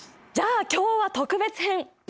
じゃあ今日は特別編！